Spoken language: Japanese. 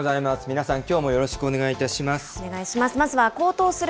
皆さんきょうもよろしくお願いいお願いします。